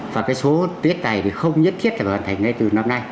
và cái số tiết tài thì không nhất thiết phải hoàn thành ngay từ năm nay